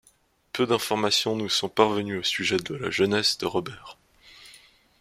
Peu d'informations nous sont parvenues au sujet de la jeunesse de Robert.